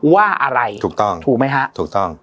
ว่าอะไรถูกต้องถูกไหมฮะถูกต้อง